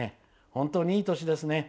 本当にいい年ですね。